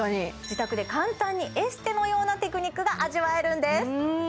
自宅で簡単にエステのようなテクニックが味わえるんです